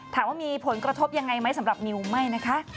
ถามว่ามีผลกระทบยังไงไหมสำหรับมิวไม่นะคะ